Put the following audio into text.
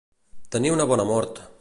Tenir una bona mort.